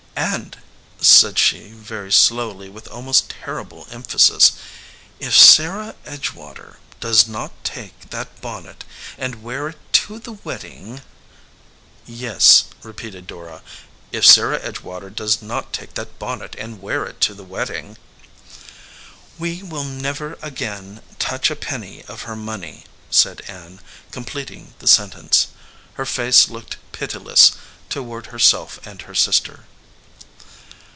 "And," said she, very slowly, with al most terrible emphasis, "if Sarah Edgewater docs not take that bonnet and wear it to the wed ding " "Yes," repeated Dora; "if Sarah Edgewater does not take that bonnet and wear it to the wed ding " "We will never again touch a penny of her money," said Ann, completing the sentence. Her face looked pitiless toward herself and her sister.